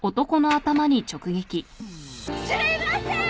すいませーん！